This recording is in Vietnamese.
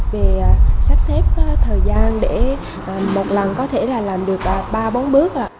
về sắp xếp thời gian để một lần có thể là làm được ba bốn bước